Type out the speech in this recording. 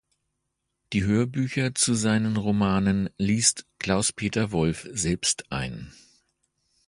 Die Hörbücher zu seinen Romanen liest Klaus-Peter Wolf selbst ein.